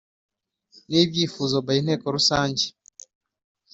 n byifuzo by Inteko Rusange